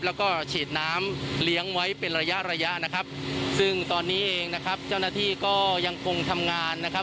แล้วก็ฉีดน้ำเลี้ยงไว้เป็นระยะระยะนะครับซึ่งตอนนี้เองนะครับเจ้าหน้าที่ก็ยังคงทำงานนะครับ